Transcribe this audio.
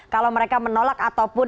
kalau mereka menolak ataupun